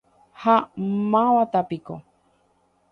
Ha mávatapiko.